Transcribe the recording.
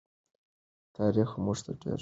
دا تاریخ موږ ته ډېر څه ښيي.